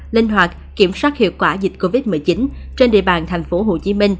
linh hoạt kiểm soát hiệu quả dịch covid một mươi chín trên địa bàn tp hcm